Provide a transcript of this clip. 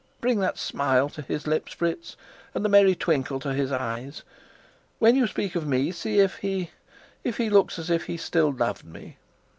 Bring that smile to his lips, Fritz, and the merry twinkle to his eyes. When you speak of me, see if he if he looks as if he still loved me."